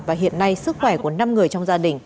và hiện nay sức khỏe của năm người trong gia đình